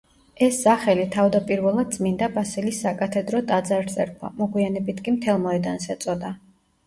ეს სახელი თავდაპირველად წმინდა ბასილის საკათედრო ტაძარს ერქვა, მოგვიანებით კი მთელ მოედანს ეწოდა.